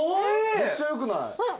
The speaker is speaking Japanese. めっちゃよくない？